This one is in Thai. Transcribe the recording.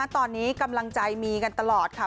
ตอนนี้กำลังใจมีกันตลอดค่ะ